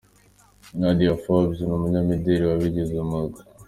Nadia Fordes: ni umunyamideli wabigize umwuga.